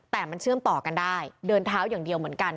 แต่มันเชื่อมต่อกันได้เดินเท้าอย่างเดียวเหมือนกัน